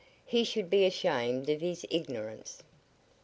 He should be ashamed of his ignorance."